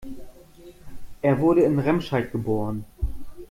Er wurde in Remscheid geboren